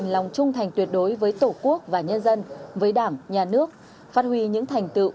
lòng trung thành tuyệt đối với tổ quốc và nhân dân với đảng nhà nước phát huy những thành tựu